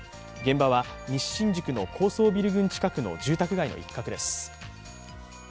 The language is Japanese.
現場は西新宿の高層ビル群近くの住宅街の一角です。